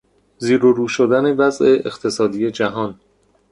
زیر و رو شدن وضع اقتصادی جهان